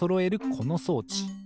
この装置。